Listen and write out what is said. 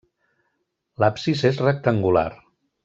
L'absis és rectangular.